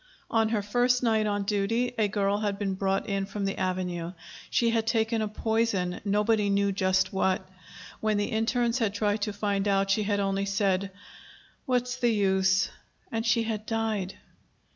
On her first night on duty, a girl had been brought in from the Avenue. She had taken a poison nobody knew just what. When the internes had tried to find out, she had only said: "What's the use?" And she had died.